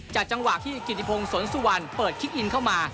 จังหวะที่กิติพงศนสุวรรณเปิดคิกอินเข้ามา